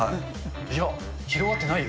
いや、広がってないよ。